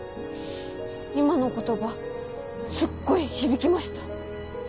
今の言葉すっごい響きました。